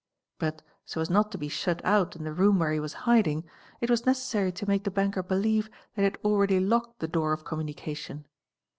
Bw : so as not to be shut out in the room where he was hiding, it was neces | sary to make the banker believe that he had already locked the door ( communication.